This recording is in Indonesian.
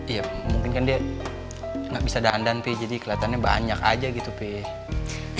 iya mungkin kan dia gak bisa dandan pe jadi keliatannya banyak aja gitu pe